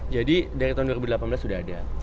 dari tahun dua ribu delapan belas sudah ada